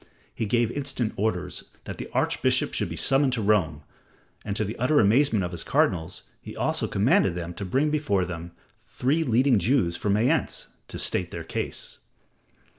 He gave instant orders that the archbishop should be summoned to Rome, and to the utter amazement of his cardinals he also commanded them to bring before him three leading Jews from Mayence, to state their case.